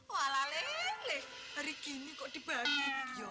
walalele hari gini kok dibagi ya beli